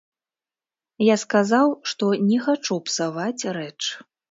Я сказаў, што не хачу псаваць рэч.